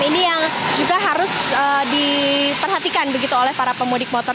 ini yang juga harus diperhatikan begitu oleh para pemudik motor